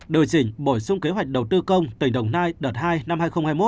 điều chỉnh bổ sung kế hoạch đầu tư công tỉnh đồng nai đợt hai năm hai nghìn hai mươi một